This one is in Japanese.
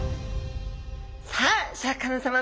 さあシャーク香音さま